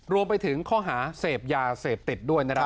รวมไปถึงข้อหาเสพยาเสพติดด้วยนะครับ